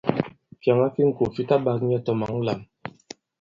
Fyàŋa fi ŋko fi ta ɓak nyɛ tɔ̀ mǎn lām.